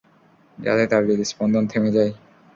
যাতে তার হৃদস্পন্দন থেমে যায়!